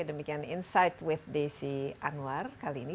demikian insight with desi anwar kali ini